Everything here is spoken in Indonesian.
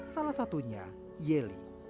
salah satunya yeli